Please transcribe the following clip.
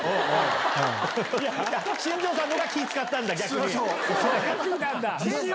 新庄さんのほうが気ぃ使ったんだ逆に。